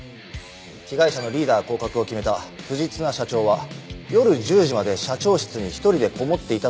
被害者のリーダー降格を決めた藤綱社長は夜１０時まで社長室に１人でこもっていたと供述。